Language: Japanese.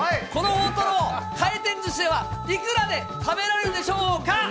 この大トロ、回転ずしではいくらで食べられるでしょうか。